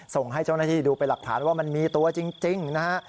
ส่งให้เจ้าหน้าที่ดูเป็นหลักฐานว่ามันมีตัวจริงนะฮะ